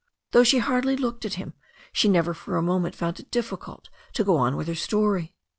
Though she hardly looked at him, she never for a moment found it difficult to go on with her story.